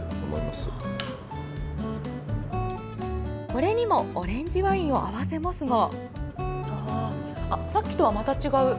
これにもオレンジワインを合わせますが。